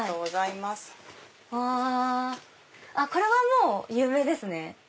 これはもう有名ですね。